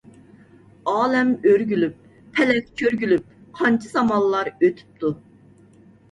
ئالەم ئۆرگۈلۈپ، پەلەك چۆرگۈلۈپ، قانچە زامانلار ئۆتۈپتۇ.